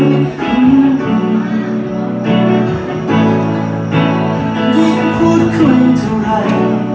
ยิ่งพูดคุ้มเท่าไหร่